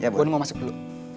buan mau masuk dulu